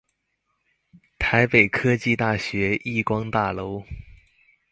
台北科技大學億光大樓